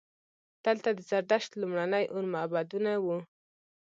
دلته د زردشت لومړني اور معبدونه وو